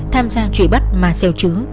tham gia trụi bắt ma xeo trứ